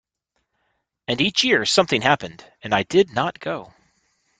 And each year something happened, and I did not go.